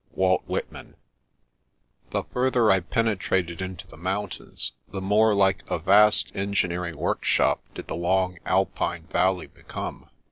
— Walt Whitman. The further I penetrated into the mountains, the more like a vast engineering workshop did the long Alpine valley become.